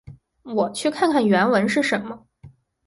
我去看看原文是什么。